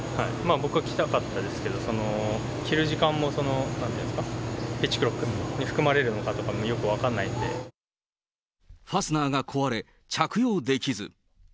僕は着たかったですけど、着る時間もピッチクロックに含まれるのかとかも、ファスナーが壊れ、着用できず。